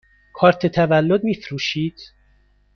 کارت تولد می فروشید؟